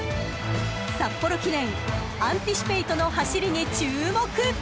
［札幌記念アンティシペイトの走りに注目］